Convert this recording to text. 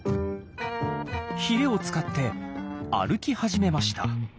ヒレを使って歩き始めました。